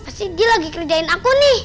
pasti dia lagi kerjain aku nih